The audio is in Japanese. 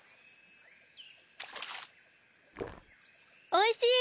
おいしい！